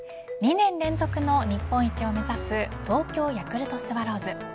２年連続の日本一を目指す東京ヤクルトスワローズ。